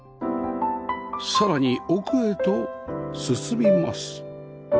さらに奥へと進みます